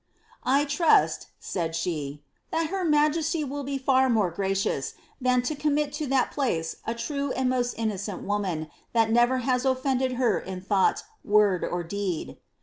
^ I trust," said she, ^ that her majesty will be far more gracious, than to commit to that place a true and most innocent woman, that never has oAmded her in thought, word, or deed."